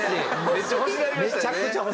めっちゃ欲しくなりましたよね。